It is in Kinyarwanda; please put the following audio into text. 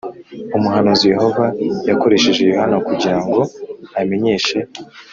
umuhanuzi Yehova yakoresheje Yohana kugira ngo amenyeshe